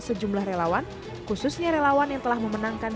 sejumlah relawan khususnya relawan yang telah memenangkan